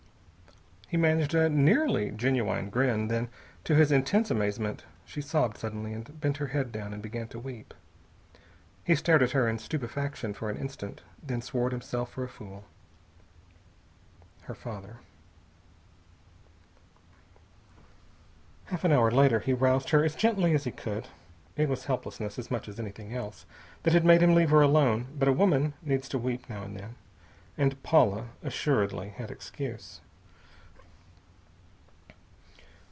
He managed a nearly genuine grin, then, and to his intense amazement, she sobbed suddenly and bent her head down and began to weep. He stared at her in stupefaction for an instant, then swore at himself for a fool. Her father.... Half an hour later he roused her as gently as he could. It was helplessness, as much as anything else, that had made him leave her alone; but a woman needs to weep now and then. And Paula assuredly had excuse.